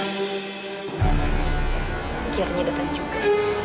biar ini depan juga